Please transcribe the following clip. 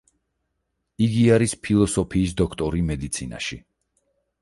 იგი არის ფილოსოფიის დოქტორი მედიცინაში.